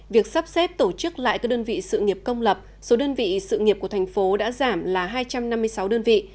việc sắp xếp tổ chức lại các đơn vị sự nghiệp công lập số đơn vị sự nghiệp của thành phố đã giảm là hai trăm năm mươi sáu đơn vị